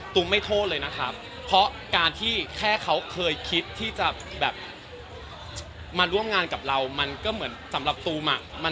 ไม่โทษเลยนะครับเพราะการที่แค่เขาเคยคิดที่จะแบบมาร่วมงานกับเรามันก็เหมือนสำหรับตูมอ่ะ